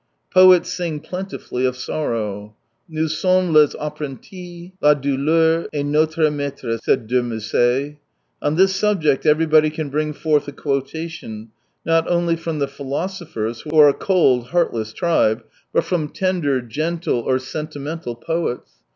Poets sing plentifully of sorrow. ^^ Nous sommes les apprentis, la douleur est notre maitre," said de Musset. On this subject everybody can bring forth a quota tion, not only from the philosophers, who are a cold, heartless tribe, but from tender, 199 gentle, or sentimental poets.